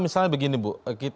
misalnya begini bu